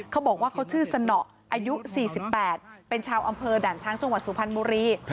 เขาบอกว่าเขาชื่อสนอายุสี่สิบแปดเป็นชาวอำเภอด่านช้างจังหวัดสุภัณฑ์มุรี